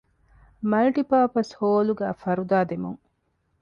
މަލްޓި ޕާޕަސް ހޯލުގައި ފަރުދާ ދެމުން